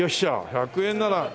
１００円なら。